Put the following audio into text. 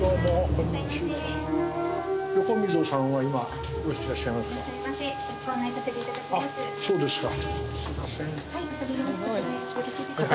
こちらへよろしいでしょうか